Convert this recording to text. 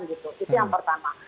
itu yang pertama